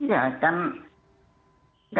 ya kan orang tua kan punya punya